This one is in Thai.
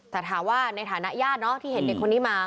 แต่ถามว่าในฐานะญาติที่เห็นเด็กคนนี้มา